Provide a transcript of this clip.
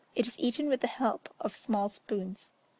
It is eaten with the help of small spoons.